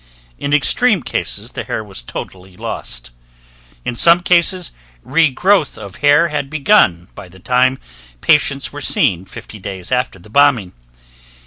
In extreme cases the hair was totally lost. In some cases, re growth of hair had begun by the time patients were seen 50 days after the bombing.